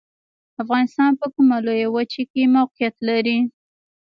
افغانستان په کومه لویه وچې کې موقعیت لري؟